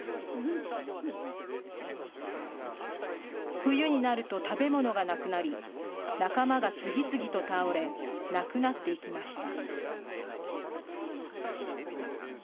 冬になると食べ物がなくなり仲間が次々と倒れ亡くなっていきました。